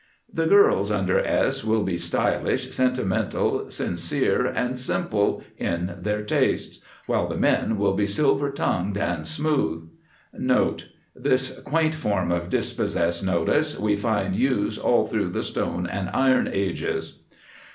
The girls under S will be Stylish, Sentimental, Sincere, and Simple in their tastes, while the men will be Silver tongued and Smooth. NOTE:—This quaint form of Dispossess Notice we find used all through the Stone and Iron Ages.